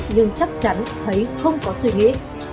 nhưng chắc chắn thấy không có suy nghĩ